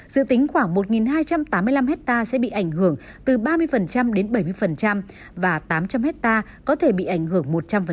dự tính khoảng một hai trăm tám mươi năm hectare sẽ bị ảnh hưởng từ ba mươi đến bảy mươi và tám trăm linh hectare có thể bị ảnh hưởng một trăm linh